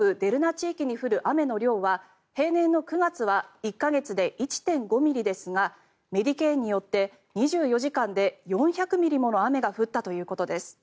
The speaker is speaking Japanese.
地域に降る雨の量は平年の９月は１か月で１．５ミリですがメディケーンによって２４時間で４００ミリもの雨が降ったということです。